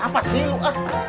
apa sih lu ah